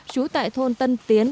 trú tại thôn tân tiến